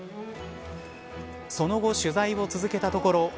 その後、取材を続けたところ。